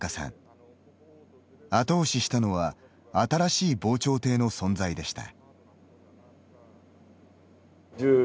後押ししたのは新しい防潮堤の存在でした。